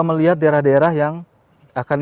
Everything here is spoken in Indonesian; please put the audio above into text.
melihat daerah daerah yang akan